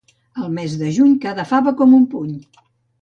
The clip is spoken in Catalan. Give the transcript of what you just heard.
Al mes de juny cada fava com un puny